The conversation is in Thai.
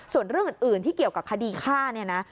ส่วนเรื่องอื่นที่เกี่ยวกับคดีฆ่าเนี่ยนะ